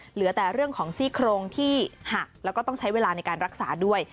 เหลือแต่เรื่องของซี่โครงที่หักแล้วก็ต้องใช้เวลาในการรักษาด้วย